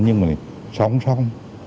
nhưng mà sống sống